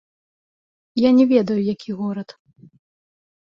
Я не ведаю, які горад.